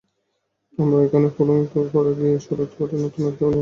আমরা ঐখানে ফুড়ুৎ করে গিয়ে সুড়ুত করে নতুন একটা নিয়ে আসবো।